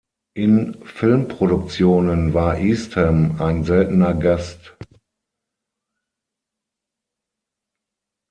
In Filmproduktionen war Eastham ein seltener Gast.